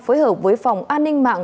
phối hợp với phòng an ninh mạng